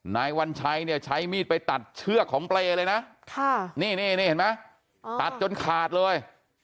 นายวัญชัยเนี่ยใช้มีดไปตัดเชือกของเปรย์เลยนะนี่เห็นไหมตัดจนขาดเลย